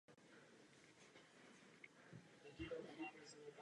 Takový byl vždy přístup Fordu k řešení problémů.